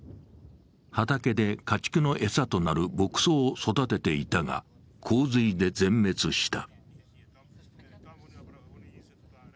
畑で家畜の餌となる牧草を育てていたが、洪水で全滅した。